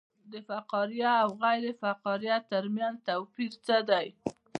د فقاریه او غیر فقاریه ترمنځ توپیر څه دی